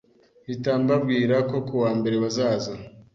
mpita mbwabwira ko kuwa mbere bazaza